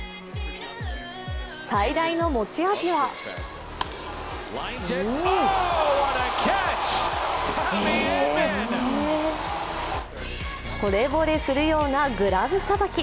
最大の持ち味はほれぼれするようなグラブさばき。